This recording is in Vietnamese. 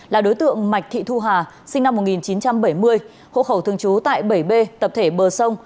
là đối tượng mạch thị thu hà sinh năm một nghìn chín trăm bảy mươi hộ khẩu thường trú tại bảy b tập thể bờ sông